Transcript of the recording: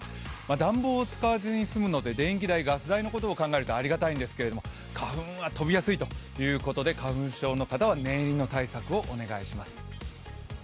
暖房を使わずに済むので電気代、ガス代のことを考えるとありがたいんですけれども、花粉は飛びやすいということで花粉症の方は念入りの対策をお願いします。